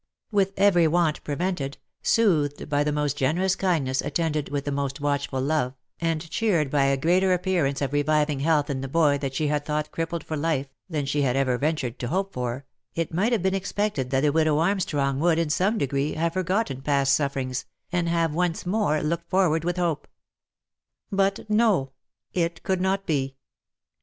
With every want prevented, soothed by the most generous kindness, attended with the most watchful love, and cheered by a greater ap pearance of reviving health in the boy that she had thought crippled for life, than she had ever ventured to hope for, it might have been ex pected that the widow Armstrong would, in some degree, have for gotten passed sufferings, and have once more looked forward with hope. But no, it could not be